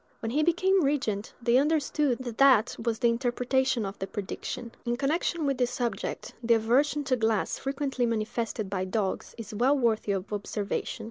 When he became regent, they understood that that was the interpretation of the prediction. In connection with this subject, the aversion to glass frequently manifested by dogs is well worthy of observation.